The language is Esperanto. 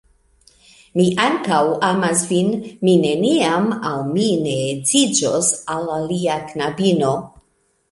Mi ankaŭ amas vin. Mi neniam, aŭ mi ne edziĝos al alia knabino.